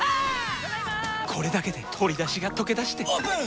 これだけで鶏だしがとけだしてオープン！